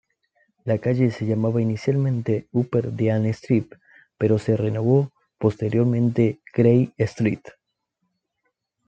La calle se llamaba inicialmente Upper Dean Street, pero se renombró posteriormente Grey Street.